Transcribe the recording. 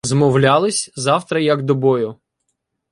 Змовлялись, завтра як до бою